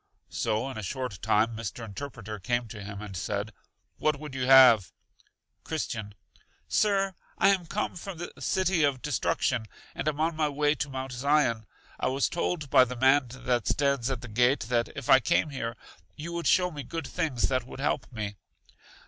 So in a short time Mr. Interpreter came to him and said: What would you have? Christian. Sir, I am come from The City of Destruction, and am on my way to Mount Zion. I was told by the man that stands at the gate, that if I came here you would show me good things that would help me.